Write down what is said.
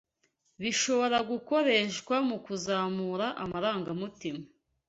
bishobora gukoreshwa mu kuzamura amarangamutima